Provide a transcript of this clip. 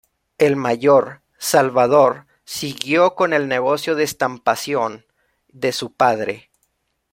El mayor, Salvador, siguió con el negocio de estampación de su padre.